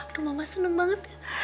aduh mama seneng banget ya